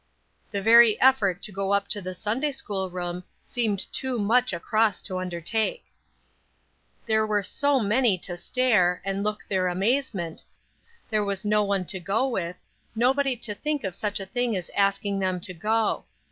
The very effort to go up to the Sunday school room seemed too much a cross to undertake. There were so many to stare, and look their amazement; there was no one to go with; nobody to think of such a thing as asking them to go.